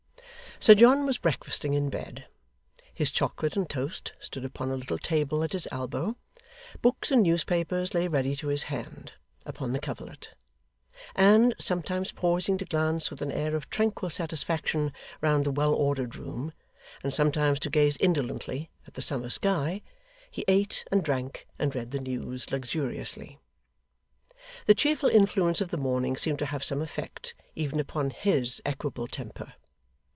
Sir John was breakfasting in bed. His chocolate and toast stood upon a little table at his elbow; books and newspapers lay ready to his hand, upon the coverlet; and, sometimes pausing to glance with an air of tranquil satisfaction round the well ordered room, and sometimes to gaze indolently at the summer sky, he ate, and drank, and read the news luxuriously. The cheerful influence of the morning seemed to have some effect, even upon his equable temper.